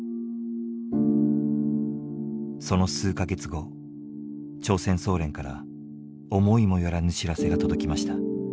その数か月後朝鮮総連から思いもよらぬ知らせが届きました。